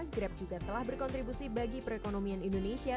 grab juga telah berkontribusi bagi perekonomian indonesia